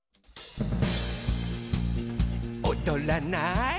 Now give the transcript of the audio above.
「おどらない？」